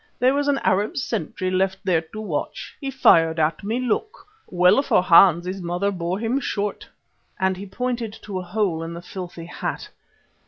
There was an Arab sentry left there to watch. "He fired at me, look! Well for Hans his mother bore him short"; and he pointed to a hole in the filthy hat.